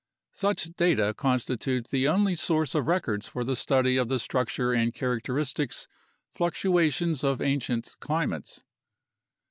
Such data constitute the only source of records for the study of the structure and characteristics fluctuations of ancient climates.